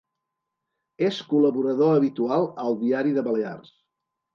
És col·laborador habitual al Diari de Balears.